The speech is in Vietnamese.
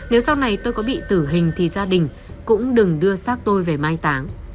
nếu sau này tôi có bị tử hình thì gia đình cũng đừng đưa xác tôi về mai táng